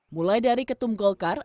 mulai dari ketum golkar